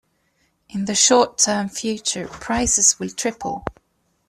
In the short term future, prices will triple.